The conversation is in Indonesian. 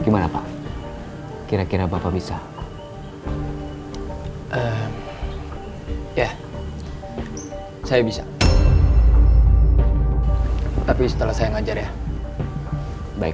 saya akan mencari jalan untuk mencari jalan yang lebih baik